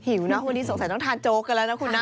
นะวันนี้สงสัยต้องทานโจ๊กกันแล้วนะคุณนะ